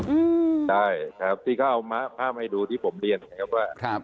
อืมใช่ครับที่เขาเอามาภาพให้ดูที่ผมเรียนนะครับว่าครับ